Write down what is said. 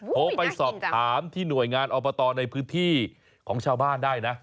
โทรไปสอบถามที่หน่วยงานอบตในพื้นที่ของชาวบ้านได้นะ